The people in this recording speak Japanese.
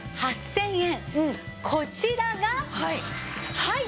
こちらがはい！